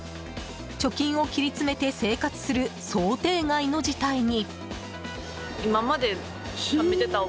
貯金を切り詰めて生活する想定外の事態に。